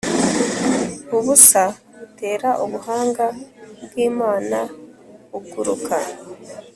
ubusa butera ubuhanga bw'imana buguruka